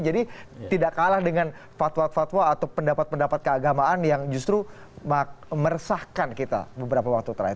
tidak kalah dengan fatwa fatwa atau pendapat pendapat keagamaan yang justru meresahkan kita beberapa waktu terakhir